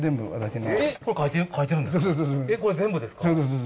これ全部ですか？